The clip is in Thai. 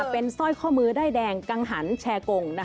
เป็นสร้อยข้อมือด้ายแดงกังหันแชร์กง